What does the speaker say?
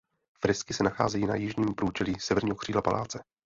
Fresky se nacházejí na jižním průčelí severního křídla paláce.